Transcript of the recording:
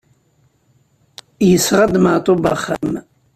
Yesɣa-d Maɛṭub axxam?